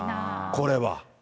これは。